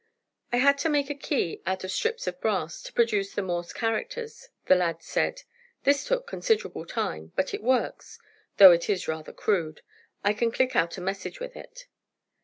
"I had to make a key out of strips of brass, to produce the Morse characters," the lad said. "This took considerable time, but it works, though it is rather crude. I can click out a message with it."